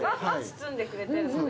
包んでくれてるので。